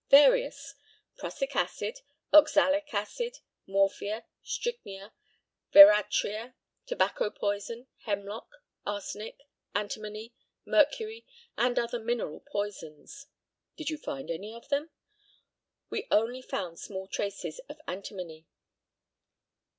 Various, prussic acid, oxalic acid, morphia, strychnia, veratria, tobacco poison, hemlock, arsenic, antimony, mercury, and other mineral poisons. Did you find any of them? We only found small traces of antimony.